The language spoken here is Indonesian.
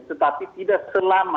tetapi tidak selama